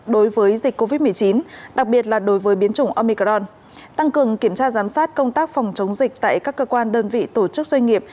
đối với dịch covid một mươi chín đặc biệt là đối với biến chủng omicron tăng cường kiểm tra giám sát công tác phòng chống dịch tại các cơ quan đơn vị tổ chức doanh nghiệp